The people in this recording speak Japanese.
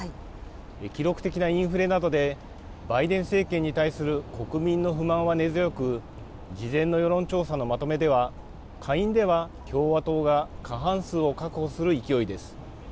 記録的なインフレなどで、バイデン政権に対する国民の不満は根強く、事前の世論調査のまとめでは、下院では共和党が過半数を確保する勢いです。